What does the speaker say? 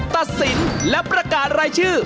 ตัดสินและประกาศรายชื่อ